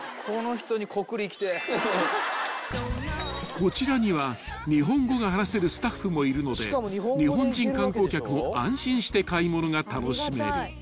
［こちらには日本語が話せるスタッフもいるので日本人観光客も安心して買い物が楽しめる］